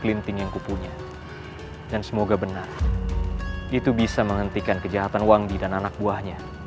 itu bisa menghentikan kejahatan wang bi dan anak buahnya